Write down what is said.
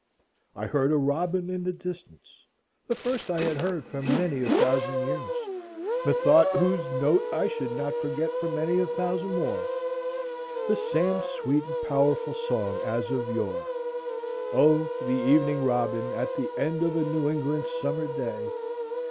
I heard a robin in the distance, the first I had heard for many a thousand years, methought, whose note I shall not forget for many a thousand more,—the same sweet and powerful song as of yore. O the evening robin, at the end of a New England summer day!